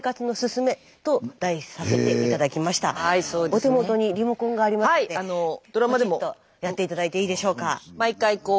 お手元にリモコンがありますのでポチッとやって頂いていいでしょうか？